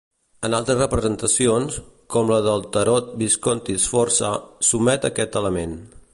En altres representacions, com la del Tarot Visconti-Sforza, s'omet aquest element.